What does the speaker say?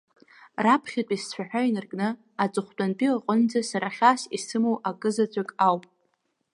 Раԥхьатәи сцәаҳәа инаркны аҵыхәтәантәи аҟынӡа сара хьаас исымоу акызаҵәык ауп…